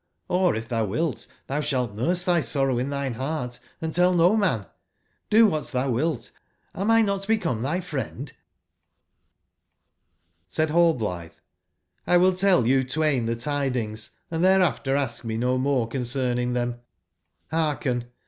Or if tbou wilt, tbou sbalt nurse tby sorrow in tbine beart and tell no man. Do wbat tbou wilt; am 1 not become tby fnend?" ^^^HXO nallblitbe: ''1 will tell you twain tbe f^y^K tidings, and tbereaf ter ask me no morecon l^^j^ ceming tbem. Hearken.